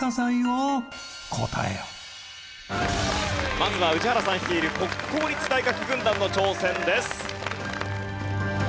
まずは宇治原さん率いる国公立大学軍団の挑戦です。